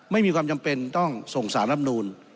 ไม่มีความจำเป็นต้องส่งสารรับนูล